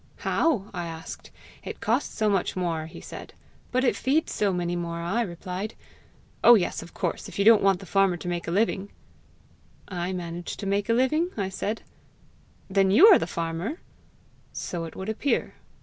'How?' I asked. 'It costs so much more,' he said. 'But it feeds so many more!' I replied. 'Oh yes, of course, if you don't want the farmer to make a living!' 'I manage to make a living,' I said. 'Then you are the farmer?' 'So it would appear.'